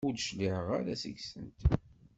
Ur d-cliɛeɣ ara seg-sent.